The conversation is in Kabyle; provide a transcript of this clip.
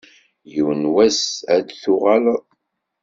Yiwen n wass ad d-tuɣaleḍ.